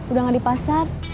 udah nggak di pasar